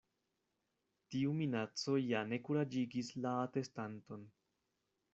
Tiu minaco ja ne kuraĝigis la atestanton.